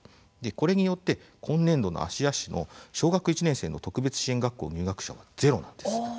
これによって今年度の芦屋市の小学１年生の特別支援学校入学者はゼロなんです。